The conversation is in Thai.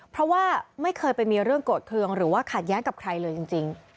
เพราะว่าไม่เคยไปมีเรื่องโกรธเครื่องหรือว่าขัดแย้งกับใครเลยจริง